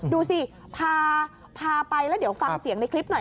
ดูสิพาไปแล้วเดี๋ยวฟังเสียงในคลิปหน่อย